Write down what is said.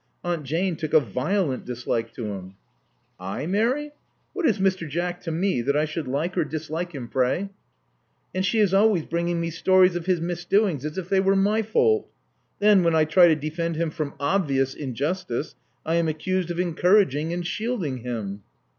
Aunt Jane took a violent dislike to him " I, Mary! What is Mr. Jack to me that I should like or dislike him, pray?" ^and she is ^ways bringing me stories of his misdoings, as if they were my fault. Then, when I try to defend him from obvious injustice, I am accused of encouraging and shielding him."